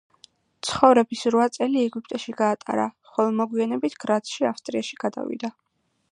ცხოვრების რვა წელი ეგვიპტეში გაატარა, ხოლო მოგვიანებით, გრაცში, ავსტრიაში გადავიდა.